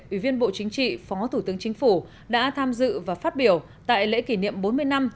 ủy viên bộ chính trị phó thủ tướng chính phủ đã tham dự và phát biểu tại lễ kỷ niệm bốn mươi năm